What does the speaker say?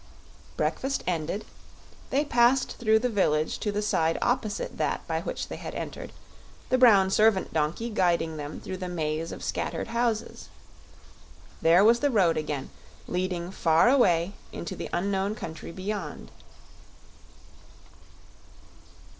Breakfast ended, they passed through the village to the side opposite that by which they had entered, the brown servant donkey guiding them through the maze of scattered houses. There was the road again, leading far away into the unknown country beyond.